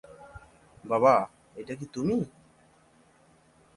বাবা, এটা কি তুমি?